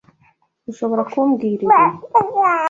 Ushobora kumbwira ibi?